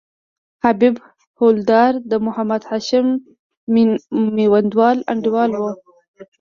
حبیب حوالدار د محمد هاشم میوندوال انډیوال وو.